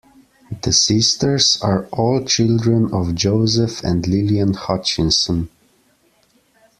The sisters are all children of Joseph and Lillian Hutchinson.